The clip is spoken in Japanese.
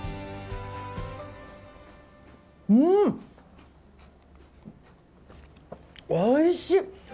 うん、おいしい！